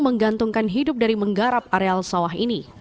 menggantungkan hidup dari menggarap areal sawah ini